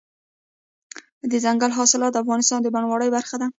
دځنګل حاصلات د افغانستان د بڼوالۍ برخه ده.